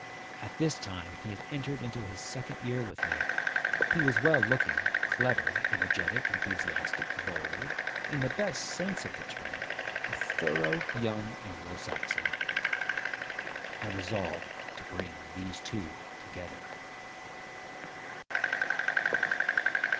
At this time he had entered into his second year with me. He was well looking, clever, energetic, enthusiastic; bold; in the best sense of the term, a thorough young Anglo Saxon. I resolved to bring these two together.